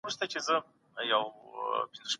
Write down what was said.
واکمني يوازي د قانون پر بنسټ رامنځته کيږي.